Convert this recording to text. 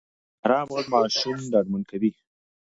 ارام غږ ماشوم ډاډمن کوي.